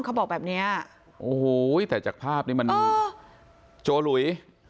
เขาบอกแบบเนี้ยโอ้โหแต่จากภาพนี้มันโจหลุย